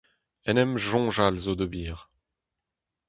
En em soñjal zo ober.